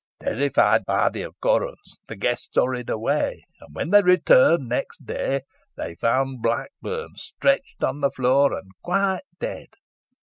"Terrified by the occurrence the guests hurried away, and when they returned next day, they found Blackburn stretched on the floor, and quite dead.